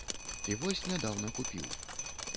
І вось нядаўна купіў.